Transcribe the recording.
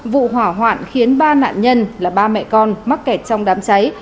vụ hỏa hoạn khiến ba nạn nhân là ba mẹ con mắc kẹt trong đám cháy